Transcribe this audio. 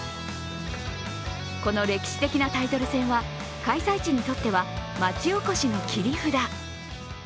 この歴史的なタイトル戦は開催地にとっては町おこしの切り札。